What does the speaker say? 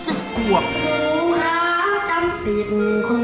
รู้ครับจำฝีบมือคนนี้ได้ไหม